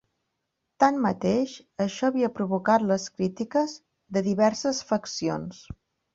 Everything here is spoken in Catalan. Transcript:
Tanmateix, això havia provocat les crítiques de diverses faccions.